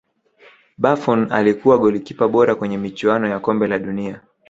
buffon alikuwa golikipa bora kwenye michuano ya kombe la dunia